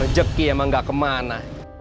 rezeki emang gak kemana